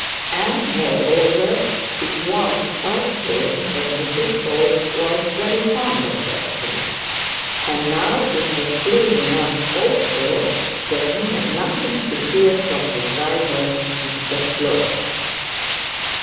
And moreover, it was quite plain that Mrs Bold was very fond of Bertie. And now it was plain enough also that he had nothing to fear from his rival Mr Slope.